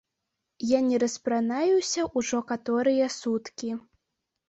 Я не распранаюся ўжо каторыя суткі.